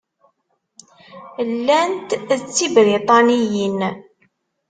Llant d Tibriṭaniyin.